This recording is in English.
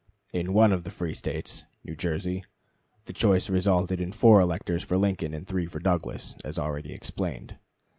In one of the free States (New Jersey) the choice resulted in 4 electors for Lincoln and 3 for Douglas, as already explained.